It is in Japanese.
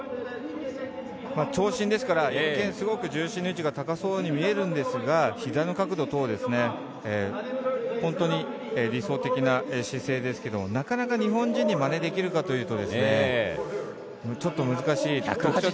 長身ですから一見、すごく重心の位置が高そうに見えるんですが膝の角度等、本当に理想的な姿勢ですけどなかなか日本人にまねできるかというとちょっと難しい。